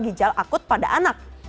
ginjal akut pada anak